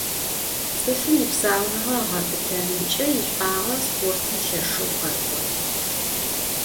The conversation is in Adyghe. Ts'ıfım yipsaunığe ığepıtenımç'e yiş'uağe sportım lheşşeu khek'o.